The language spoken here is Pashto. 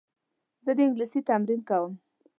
زه د انګلیسي تمرین کوم.